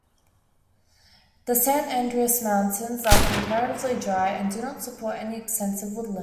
The San Andres Mountains are comparatively dry and do not support any extensive woodlands.